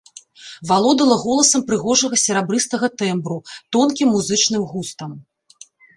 Валодала голасам прыгожага серабрыстага тэмбру, тонкім музычным густам.